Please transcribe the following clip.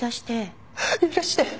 許して！